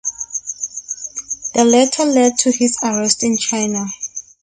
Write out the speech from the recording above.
The latter led to his arrest in China.